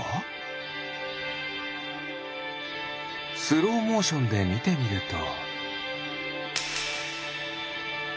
スローモーションでみてみると。